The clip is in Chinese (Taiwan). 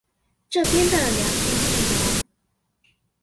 這邊的聊天內容